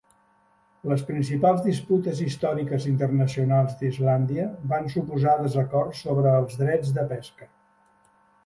Les principals disputes històriques internacionals d'Islàndia van suposar desacords sobre els drets de pesca.